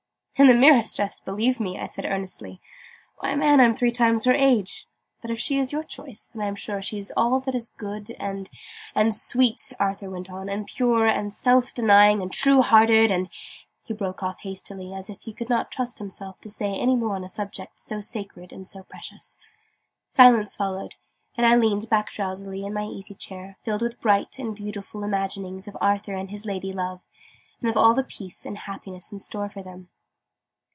"In the merest jest, believe me!" I said earnestly. "Why, man, I'm three times her age! But if she's your choice, then I'm sure she's all that is good and "" and sweet," Arthur went on, "and pure, and self denying, and true hearted, and " he broke off hastily, as if he could not trust himself to say more on a subject so sacred and so precious. Silence followed: and I leaned back drowsily in my easy chair, filled with bright and beautiful imaginings of Arthur and his lady love, and of all the peace and happiness in store for them.